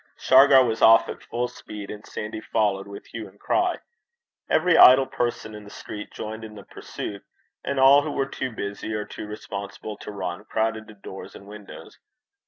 Shargar was off at full speed, and Sandy followed with hue and cry. Every idle person in the street joined in the pursuit, and all who were too busy or too respectable to run crowded to door and windows.